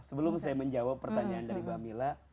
sebelum saya menjawab pertanyaan dari bhamila